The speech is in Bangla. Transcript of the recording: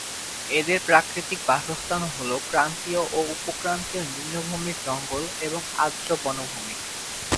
এদের প্রাকৃতিক বাসস্থান হল ক্রান্তীয় ও উপক্রান্তীয় নিম্নভূমির জঙ্গল এবং আর্দ্র বনভূমি।